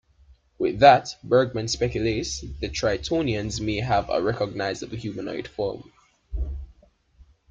With that, Bergman speculates the Tritonians may have a recognisable humanoid form.